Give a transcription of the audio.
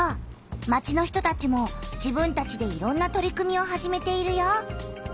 町の人たちも自分たちでいろんな取り組みを始めているよ！